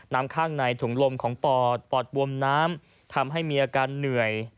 ข้างในถุงลมของปอดปอดบวมน้ำทำให้มีอาการเหนื่อย